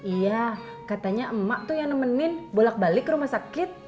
iya katanya emak tuh yang nemenin bolak balik ke rumah sakit